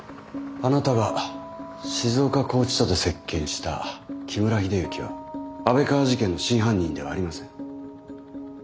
あなたが静岡拘置所で接見した木村秀幸は安倍川事件の真犯人ではありません。